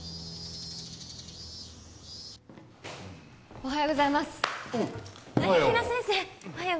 おはようございますおう